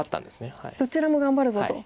どちらも頑張るぞと。